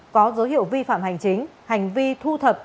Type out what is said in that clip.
có dấu hiệu vi phạm hành chính hành vi thu thập